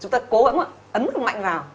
chúng ta cố gắng ấn mạnh vào